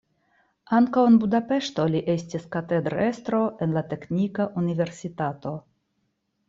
Ankaŭ en Budapeŝto li estis katedrestro en la teknika universitato.